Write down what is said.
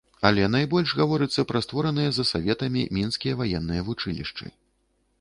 Але найбольш гаворыцца пра створаныя за саветамі мінскія ваенныя вучылішчы.